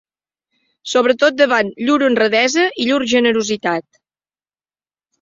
Sobretot davant llur honradesa i llur generositat.